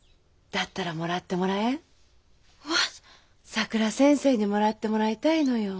さくら先生にもらってもらいたいのよ。